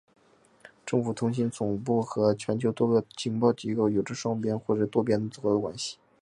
政府通信总部和全球多个情报机构有着双边或是多边的合作关系。